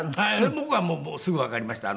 僕はすぐわかりました。